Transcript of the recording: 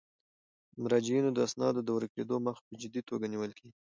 د مراجعینو د اسنادو د ورکیدو مخه په جدي توګه نیول کیږي.